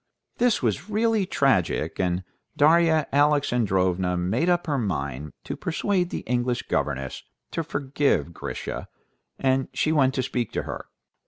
This was really too tragic, and Darya Alexandrovna made up her mind to persuade the English governess to forgive Grisha, and she went to speak to her.